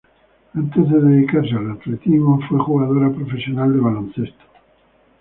Antes de dedicarse al atletismo fue jugadora profesional de baloncesto.